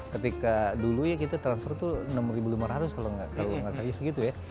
ketika dulu transfer tuh enam lima ratus kalau nggak kaya segitu ya